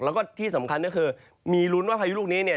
แล้วก็ที่สำคัญก็คือมีลุ้นว่าพายุลูกนี้เนี่ย